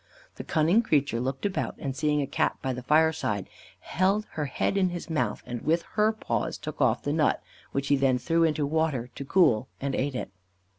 The cunning creature looked about, and seeing a Cat by the fireside, held her head in his mouth, and with her paws took off the nut, which he then threw into water to cool, and ate it.